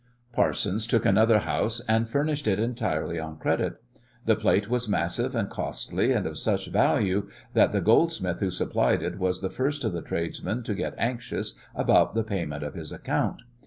Parsons took another house and furnished it entirely on credit. The plate was massive and costly, and of such value that the goldsmith who supplied it was the first of the tradesmen to get anxious about the payment of his account.